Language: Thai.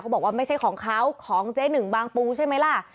บอกว่าไม่ใช่ของเขาของเจ๊หนึ่งบางปูใช่ไหมล่ะ